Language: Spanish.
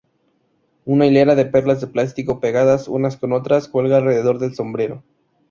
Una hilera de perlas de plástico, pegadas unas con otras, cuelga alrededor del sombrero.